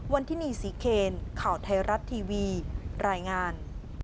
วันที่นี่ศรีเคนข่าวไทยรัฐทีวีรายงาน